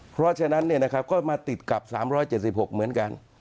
เพราะฉะนั้นก็มาติดกับ๓๗๖เหมือนกัน